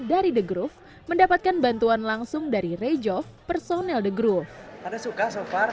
dari the group mendapatkan bantuan langsung dari rejov personel the groove karena suka so far